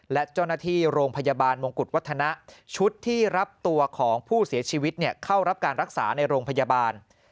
และเจ้าหน้าที่โรงพยาบาลมงกุฎวัฒนะชุดที่รับตัวของผู้เสียชีวิตเข้ารับการรักษาในโรงพยาบาล